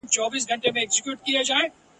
چي رګونه مي ژوندي وي له سارنګه له ربابه !.